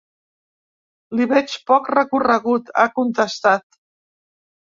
“Li veig poc recorregut”, ha contestat.